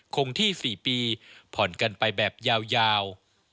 คงที่๔ปีผ่อนกันไปแบบยาว